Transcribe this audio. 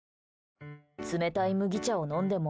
冷たい麦茶を飲んでも。